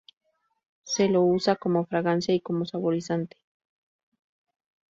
Se lo usa como fragancia y como saborizante.